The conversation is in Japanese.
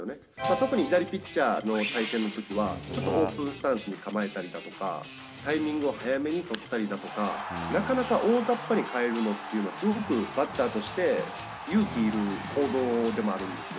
特に左ピッチャーの対戦のときは、ちょっとオープンスタンスに構えたりだとか、タイミングを早めに取ったりだとか、なかなか大ざっぱに変えるのっていうのは、すごくバッターとして勇気いる行動でもあるんですよ。